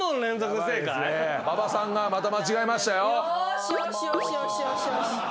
馬場さんがまた間違えましたよ。